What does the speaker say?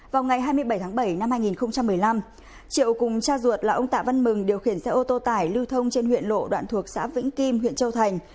vào ngày hai mươi bảy tháng bảy năm hai nghìn một mươi năm triệu cùng cha ruột là ông tạ văn mừng điều khiển xe ô tô tải lưu thông trên huyện lộ đoạn thuộc xã vĩnh kim huyện châu thành